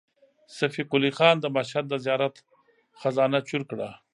صفي قلي خان د مشهد د زیارت خزانه چور کړه.